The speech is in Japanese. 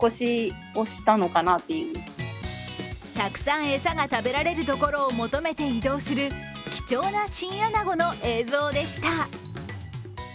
たくさん餌が食べられるところを求めて移動する貴重なチンアナゴの映像でした。